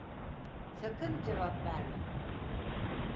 Sakın cevap verme.